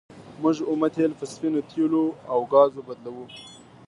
موږ اومه تیل په سپینو تیلو او ګازو بدلوو.